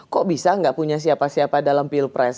kok bisa nggak punya siapa siapa dalam pilpres dua ribu dua puluh empat